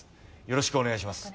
よろしくお願いします。